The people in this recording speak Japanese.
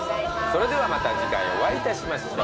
それではまた次回お会いいたしましょう。